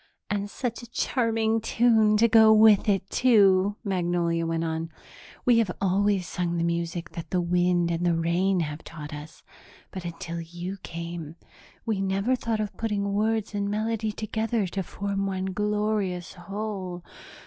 "And such a charming tune to go with it, too," Magnolia went on. "We have always sung the music that the wind and the rain have taught us, but, until you came, we never thought of putting words and melody together to form one glorious whole.